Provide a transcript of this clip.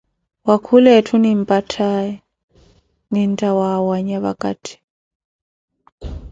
Wakhula ethu nimpatthaye ninttha waawanya vakatti.